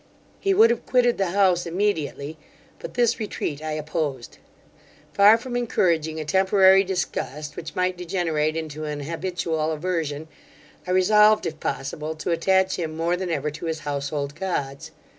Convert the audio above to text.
He would have quitted the house immediately; but this retreat I opposed. Far from encouraging a temporary disgust, which might degenerate into an habitual aversion, I resolved, if possible, to attach him more than ever to his Houshold Gods.